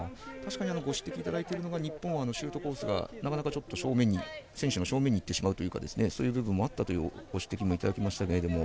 ご指摘いただいてるのが日本はシュートコースがなかなか選手の正面にいってしまうというかそういう部分もあるというご指摘をいただきましたけど。